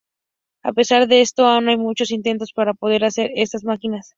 A pesar de esto, aún hay muchos intentos para poder hacer estas máquinas.